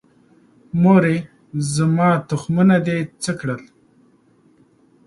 مورې، زما تخمونه دې څه کړل؟